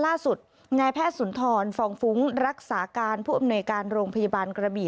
ล่าสุดนายแพทย์สุนทรฟองฟุ้งรักษาการผู้อำนวยการโรงพยาบาลกระบี่